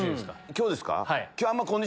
今日ですか？